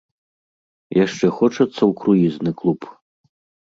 Яшчэ хочацца ў круізны клуб?